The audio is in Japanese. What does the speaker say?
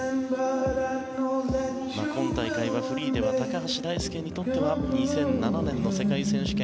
今大会はフリーでは高橋大輔にとっては２００７年の世界選手権